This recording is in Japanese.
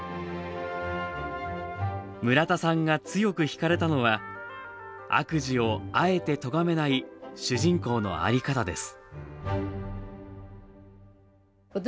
村田さんが強く引かれたのは、悪事をあえてとがめない主人公の在り方です。